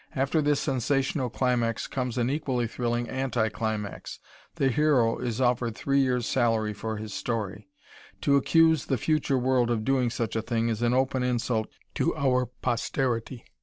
After this sensational climax comes an equally thrilling anti climax the hero is offered three years' salary for his story. To accuse the future world of doing such a thing is an open insult to our posterity.